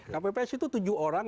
kpps itu tujuh orang